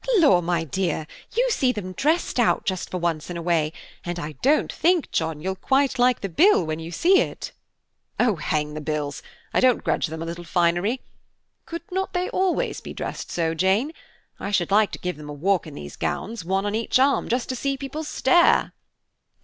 "Law, my dear, you see them dressed out just for once in a way, and I don't think, John, you'll quite like the bill when you see it." "Oh, hang the bills, I don't grudge them a little finery. Could not they always be dressed so, Jane? I should like to give them a walk in these gowns, one on each arm, just to see people stare."